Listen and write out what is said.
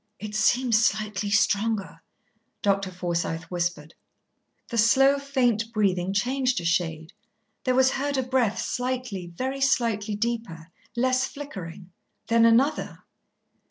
"It seems slightly stronger," Dr. Forsythe whispered. The slow, faint breathing changed a shade; there was heard a breath slightly, very slightly deeper, less flickering, then another.